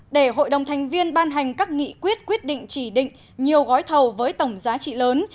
để hội đồng thành viên ban hành các nghị quyết quyết định chỉ định nhiều gói thầu với tổng giá trị lớn